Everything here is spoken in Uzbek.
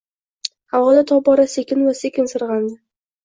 havoda tobora sekin va sekin sirg‘andi.